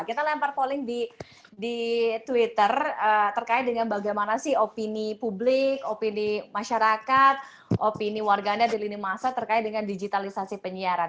kita lempar polling di twitter terkait dengan bagaimana sih opini publik opini masyarakat opini warganet di lini masa terkait dengan digitalisasi penyiaran